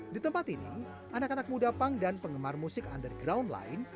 di tempat ini anak anak muda punk dan penggemar musik underground lain